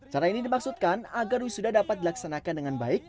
cara ini dimaksudkan agar wisuda dapat dilaksanakan dengan baik